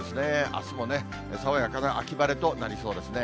あすも爽やかな秋晴れとなりそうですね。